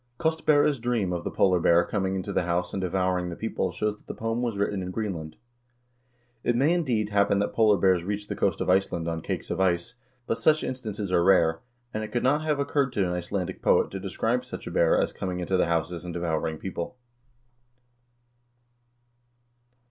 Kostbera's dream of the polar bear coining into the house and devour ing the people shows that the poem was written in Greenland. It may, indeed, happen that polar bears reach the coast of Iceland on cakes of ice, but such instances are rare, and it could not have occurred to an Icelandic poet to describe such a bear as coming into the houses and devouring people.